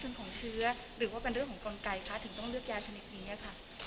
ถึงต้องเลือกยาชนิดนี้ค่ะ